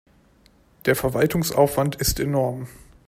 Der Verwaltungsaufwand ist enorm.